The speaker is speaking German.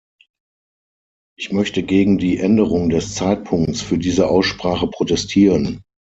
Ich möchte gegen die Änderung des Zeitpunkts für diese Aussprache protestieren.